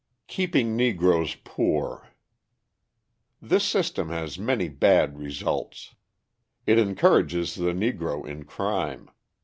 Keeping Negroes Poor This system has many bad results. It encourages the Negro in crime.